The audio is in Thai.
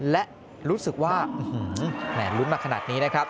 และรู้สึกว่าแหมนลุ้นมาขนาดนี้